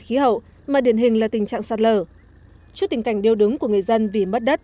khí hậu mà điển hình là tình trạng sạt lở trước tình cảnh điêu đứng của người dân vì mất đất